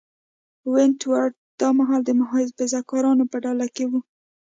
ونټ ورت دا مهال د محافظه کارانو په ډله کې و.